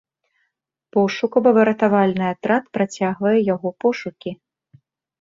Пошукава-выратавальны атрад працягвае яго пошукі.